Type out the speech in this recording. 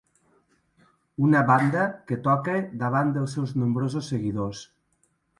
Una banda que toca davant dels seus nombrosos seguidors